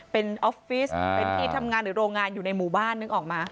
เป็นออฟฟิศเป็นที่ทำงานหรือโรงงานอยู่ในหมู่บ้านนึกออกมา